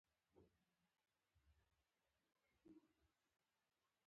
ټولو په یوه غږ مننه وویل.